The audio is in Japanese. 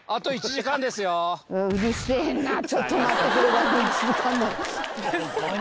ちょっと待ってくれだの１時間だの。